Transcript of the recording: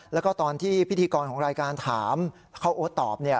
แล้วก็ตอนที่พิธีกรของรายการถามเข้าโอ๊ตตอบเนี่ย